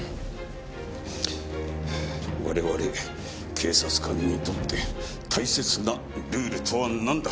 我々警察官にとって大切なルールとはなんだ？